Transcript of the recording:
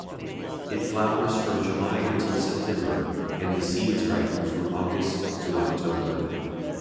It flowers from July until September, and the seeds ripen from August to October.